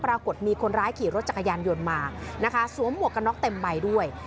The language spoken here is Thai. ปรากฏมีคนร้ายขี่รถจักรยานยนต์มานะคะสวมหมวกกันน็อกเต็มใบด้วย